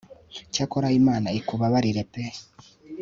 cyakora imana ikubabarire pe